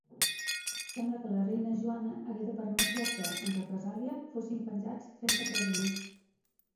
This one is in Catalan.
Sembla que la reina Joana hagué de permetre que, en represàlia, fossin penjats trenta presoners.